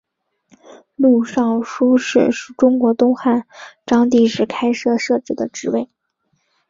录尚书事是中国东汉章帝时开始设置的职位。